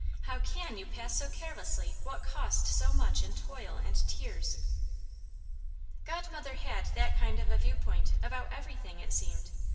How can you pass so carelessly what cost so much in toil and tears?" Godmother had that kind of a viewpoint about everything, it seemed.